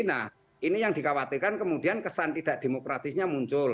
nah ini yang dikhawatirkan kemudian kesan tidak demokratisnya muncul